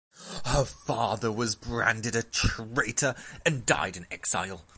Her father was branded a traitor and died in exile.